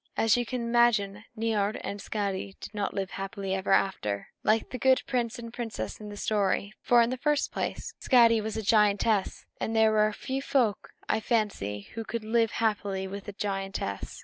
As you can imagine, Niörd and Skadi did not live happily ever after, like the good prince and princess in the story book. For, in the first place, Skadi was a giantess; and there are few folk, I fancy, who could live happily with a giantess.